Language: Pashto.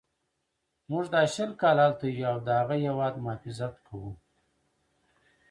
موږ دا شل کاله هلته یو او د هغه هیواد مخافظت کوو.